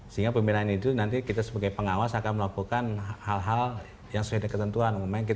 sehingga pemilihan itu nanti kita sebagai pengawas akan melakukan hal hal yang sesuai dengan ketentuan